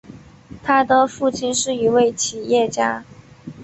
他的父亲是一位企业家。